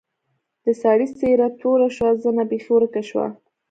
د سړي څېره تروه شوه زنه بېخي ورکه شوه.